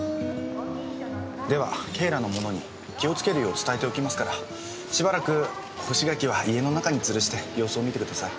では警らの者に気をつけるよう伝えておきますからしばらく干し柿は家の中につるして様子を見てください。